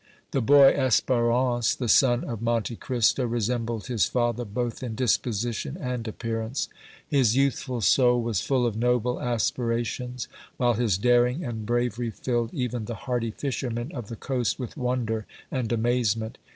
The boy, Espérance, the son of Monte Cristo, resembled his father both in disposition and appearance; his youthful soul was full of noble aspirations, while his daring and bravery filled even the hardy fishermen of the coast with wonder and amazement.